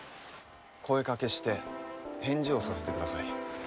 声かけして返事をさせてください。